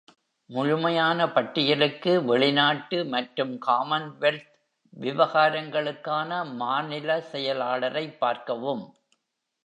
முழுமையான பட்டியலுக்கு, வெளிநாட்டு மற்றும் காமன்வெல்த் விவகாரங்களுக்கான மாநில செயலாளரைப் பார்க்கவும்.